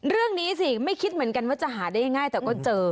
เรื่องนี้สิไม่คิดเหมือนกันว่าจะหาได้ง่ายแต่ก็เจอ